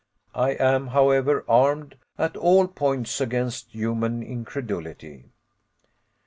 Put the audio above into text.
I am, however, armed at all points against human incredulity.